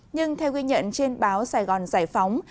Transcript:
nhưng theo ghi nhận trên báo sài gòn giải phóng